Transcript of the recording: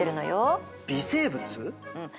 うん。